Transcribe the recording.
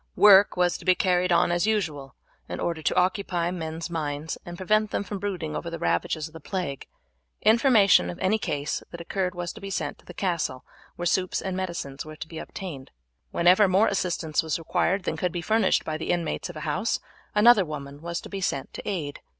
Work was to be carried on as usual in order to occupy men's minds and prevent them from brooding over the ravages of the plague. Information of any case that occurred was to be sent to the castle, where soups and medicines were to be obtained. Whenever more assistance was required than could be furnished by the inmates of a house another woman was to be sent to aid.